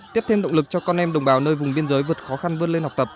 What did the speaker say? tiếp thêm động lực cho con em đồng bào nơi vùng biên giới vượt khó khăn vươn lên học tập